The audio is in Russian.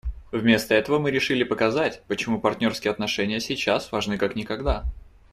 Вместо этого мы решили показать, почему партнерские отношения сейчас важны как никогда.